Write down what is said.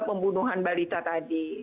pembunuhan balita tadi